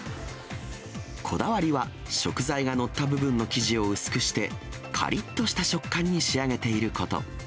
こだわりは、食材が載った部分の生地を薄くして、かりっとした食感に仕上げていること。